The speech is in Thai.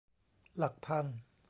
หลักพัน